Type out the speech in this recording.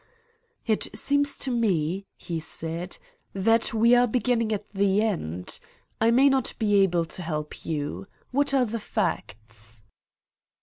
"It seems to me," he said, "that we are beginning at the end. I may not be able to help you. What are the facts?"